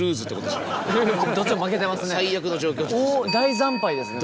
大惨敗ですね